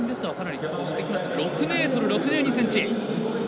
６ｍ６２ｃｍ。